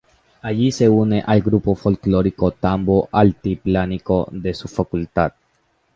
Allí se une al grupo folclórico Tambo Altiplánico, de su facultad.